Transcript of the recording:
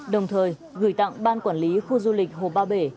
đồng thời gửi tặng ban quản lý khu du lịch hồ ba bể